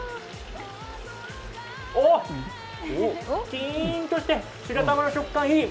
きーんとして、白玉の食感いい！